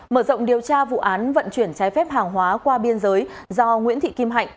mở rộng điều tra vụ án vận chuyển trái phép hàng hóa qua biên giới do nguyễn thị kim hạnh